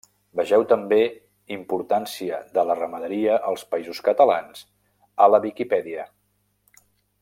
Vegeu també Importància de la ramaderia als Països Catalans a la Viquipèdia.